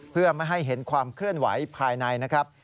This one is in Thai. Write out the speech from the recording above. เพื่อไม่ให้เห็นความเคลื่อนไหวภายในนะครับ